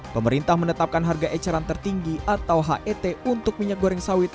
pemerintah menetapkan harga eceran tertinggi atau het untuk minyak goreng sawit